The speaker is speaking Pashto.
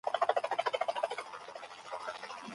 مشران چیري د بشري حقونو راپورونه وړاندي کوي؟